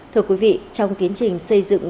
thưa quý vị trong kiến trình xây dựng